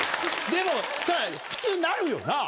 でもさ、普通なるよな。